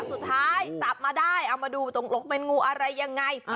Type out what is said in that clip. สุดท้ายจับมาได้เอามาดูตกลงเป็นงูอะไรยังไง